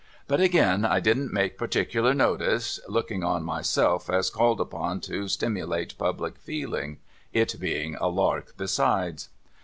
But agin I didn't take particular notice, looking on myself as called upon to stimulate public feeling. It being a lark besides.